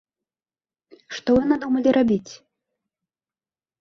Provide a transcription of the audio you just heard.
Што вы надумалі рабіць?